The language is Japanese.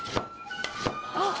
あっ！